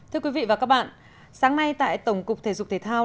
thưa quý vị và các bạn sáng nay tại tổng cục thể dục thể thao